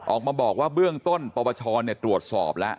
ออกมาบอกว่าเบื้องต้นประประชาเนี่ยตรวจสอบแล้ว